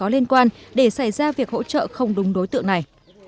liên quan để xảy ra việc hỗ trợ không đúng đối tượng này